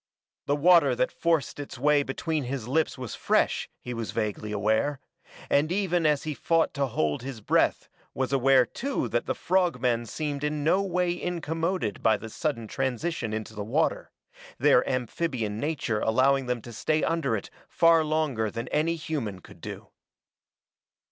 The water that forced its way between his lips was fresh, he was vaguely aware, and even as he fought to hold his breath was aware too that the frog men seemed in no way incommoded by the sudden transition into the water, their amphibian nature allowing them to stay under it far longer than any human could do.